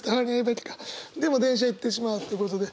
でも電車行ってしまうっていうことで。